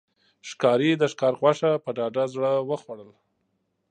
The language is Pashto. ښکاري د ښکار غوښه په ډاډه زړه وخوړل.